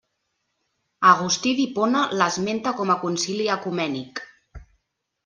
Agustí d'Hipona l'esmenta com a concili ecumènic.